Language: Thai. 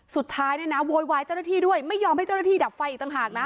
สุดท้ายเนี่ยนะโวยวายเจ้าหน้าที่ด้วยไม่ยอมให้เจ้าหน้าที่ดับไฟอีกต่างหากนะ